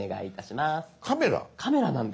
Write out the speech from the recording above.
カメラなんです。